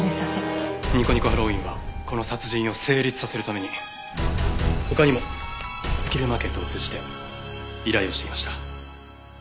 にこにこハロウィーンはこの殺人を成立させるために他にもスキルマーケットを通じて依頼をしていました。